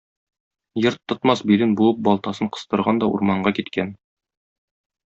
Йорт тотмас билен буып балтасын кыстырган да урманга киткән.